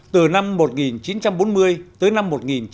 từ năm một nghìn chín trăm bốn mươi tới năm một nghìn chín trăm năm mươi hai